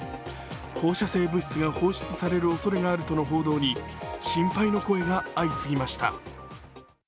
放射性物質が放出されるおそれがあるとの報道に心配の声が相次ぎました。